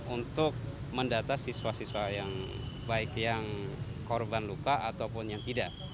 untuk mendata siswa siswa yang baik yang korban luka ataupun yang tidak